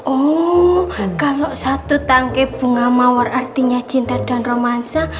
oh kalau satu tangki bunga mawar artinya cinta dan romansa